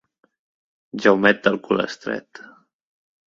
Jaumet del cul estret.